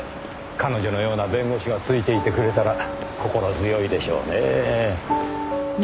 彼女のような弁護士がついていてくれたら心強いでしょうねぇ。